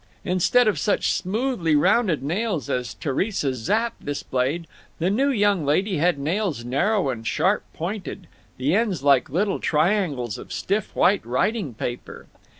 Instead of such smoothly rounded nails as Theresa Zapp displayed, the new young lady had nails narrow and sharp pointed, the ends like little triangles of stiff white writing paper.